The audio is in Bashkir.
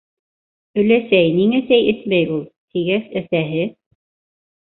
Өләсәй ниңә сәй эсмәй ул? - тигәс, әсәһе: